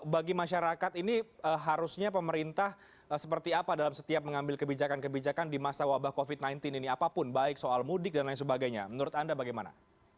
bagi masyarakat ini harusnya pemerintah seperti apa dalam setiap mengambil kebijakan kebijakan di masa wabah covid sembilan belas ini apapun baik soal mudik dan lain sebagainya menurut anda bagaimana